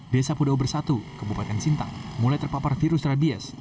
desa pudau bersatu kebupakan sintang mulai terpapar virus rabies